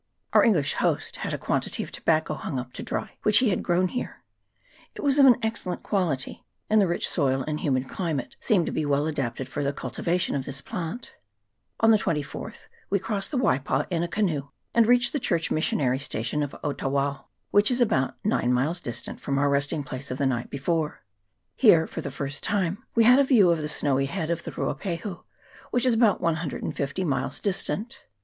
Our English host had a quantity of tobacco hung up to dry, which he had grown here : it was of an excellent quality, and the rich soil and humid climate seem to be well adapted for the cultivation of this plant. 316 MISSION STATION OF OTAWAO. [PAKT II. On the 24th we crossed the Waipa in a canoe, and reached the Church missionary station of Otawao, which is about nine miles distant from our resting place of the night before. Here, for the first time, we had a view of the snowy head of the Ruapahu, which is about 150 miles distant.